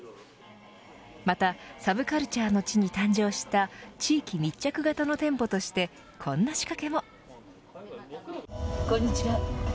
またサブカルチャーの地に誕生した地域密着型の店舗としてこんな仕掛けも。